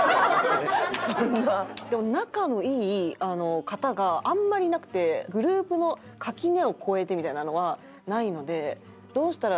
仲のいい方があんまりいなくてグループの垣根を越えてみたいなのはないので。